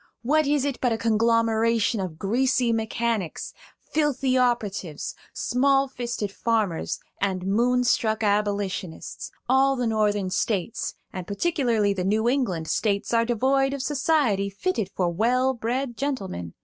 What is it but a conglomeration of greasy mechanics, filthy operatives, small fisted farmers, and moonstruck Abolitionists? All the Northern States, and particularly the New England States, are devoid of society fitted for well bred gentlemen.